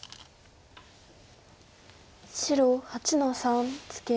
白８の三ツケ。